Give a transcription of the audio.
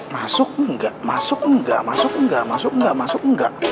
masuk enggak masuk enggak masuk enggak masuk enggak masuk enggak